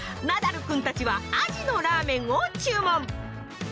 ナダルくんたちは鯵のラーメンを注文。